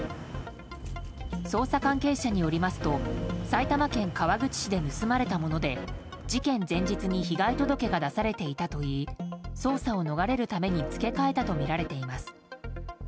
捜査関係者によりますと埼玉県川口市で盗まれたもので事件前日に被害届が出されていたといい捜査を逃れるために付け替えたとみられています。